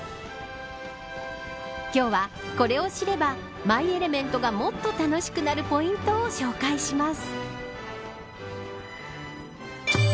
今日は、これを知ればマイ・エレメントがもっと楽しくなるポイントを紹介します。